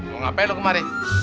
mau ngapain lo kemarin